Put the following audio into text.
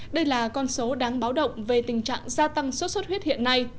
đây là con số đáng báo động về tình trạng gia tăng sốt xuất huyết hiện nay